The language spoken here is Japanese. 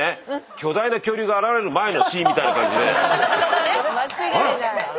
巨大な恐竜が現れる前のシーンみたいな感じで。